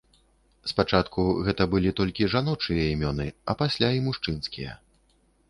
Спачатку гэта былі толькі жаночыя імёны, а пасля і мужчынскія.